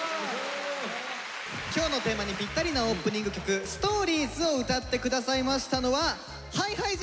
今日のテーマにぴったりなオープニング曲「Ｓｔｏｒｉｅｓ」を歌って下さいましたのはＨｉＨｉＪｅｔｓ！ＨｉＨｉＪｅｔｓです！